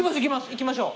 いきましょう。